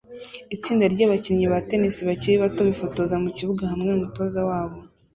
Itsinda ryabakinnyi ba tennis bakiri bato bifotoza mukibuga hamwe numutoza wabo